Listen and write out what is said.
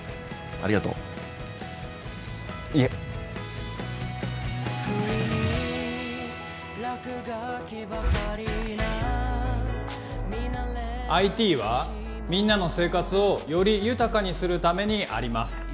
ありがとういえＩＴはみんなの生活をより豊かにするためにあります